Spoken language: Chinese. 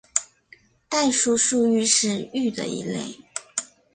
代数数域是域的一类。